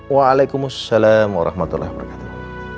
waalaikumsalam rahmatullah rakyatuh